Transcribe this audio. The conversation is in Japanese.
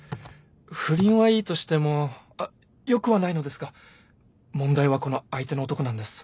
不倫はいいとしてもあっ良くはないのですが問題はこの相手の男なんです。